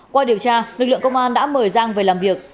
qua điều tra lực lượng công an đã mời giang về làm việc